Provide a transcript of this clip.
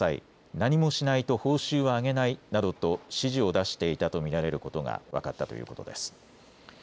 何もしないと報酬はあげないなどと指示を出していたと見られることが分かったということです。